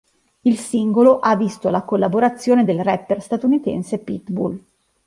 Il singolo ha visto la collaborazione del rapper statunitense Pitbull.